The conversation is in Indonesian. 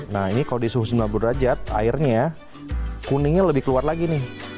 nah ini kalau di suhu sembilan puluh derajat airnya kuningnya lebih keluar lagi nih